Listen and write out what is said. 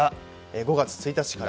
５月１日から。